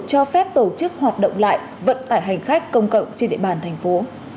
cho phép tổ chức hoạt động lại vận tải hành khách công cộng trên địa bàn thành phố